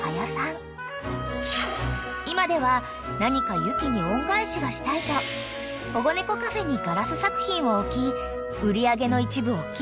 ［今では何か雪に恩返しがしたいと保護猫カフェにガラス作品を置き売り上げの一部を寄付］